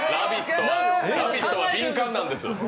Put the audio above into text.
「ラヴィット！」は敏感なんです！